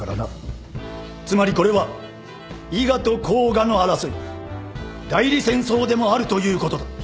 つまりこれは伊賀と甲賀の争い代理戦争でもあるということだ。